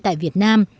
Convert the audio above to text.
tại việt nam